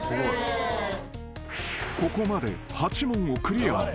［ここまで８問をクリア。